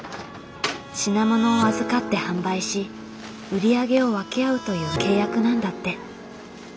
品物を預かって販売し売り上げを分け合うという契約なんだって。